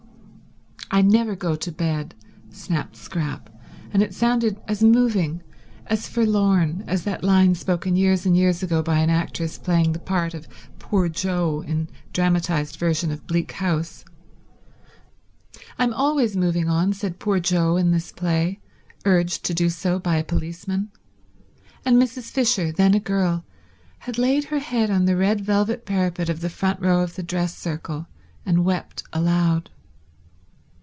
"I never go to bed," snapped Scrap; and it sounded as moving, as forlorn, as that line spoken years and years ago by an actress playing the part of Poor Jo in dramatized version of Bleak House—"I'm always moving on," said Poor Jo in this play, urged to do so by a policeman; and Mrs. Fisher, then a girl, had laid her head on the red velvet parapet of the front row of the dress circle and wept aloud.